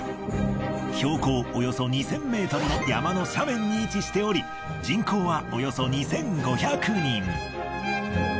標高およそ２，０００ｍの山の斜面に位置しており人口はおよそ２，５００人。